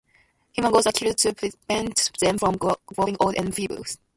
Human gods are killed to prevent them from growing old and feeble.